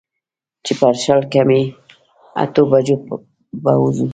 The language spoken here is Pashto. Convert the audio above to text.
چې پر شل کمې اتو بجو به وځو.